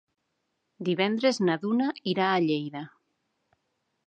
Divendres na Duna irà a Lleida.